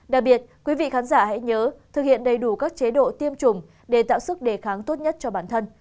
đặc biệt quý vị khán giả hãy nhớ thực hiện đầy đủ các chế độ tiêm chủng để tạo sức đề kháng tốt nhất cho bản thân